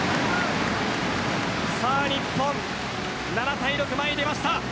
日本、７対６前に出ました。